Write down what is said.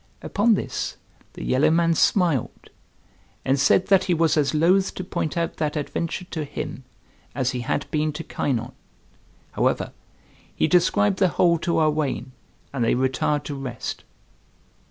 Upon this the yellow man smiled, and said that he was as loth to point out that adventure to him as he had been to Kynon. However, he described the whole to Owain, and they retired to rest.